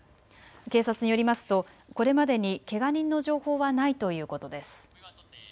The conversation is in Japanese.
警察によりますとこれまでにけが人の情報はないということです。